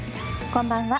こんばんは。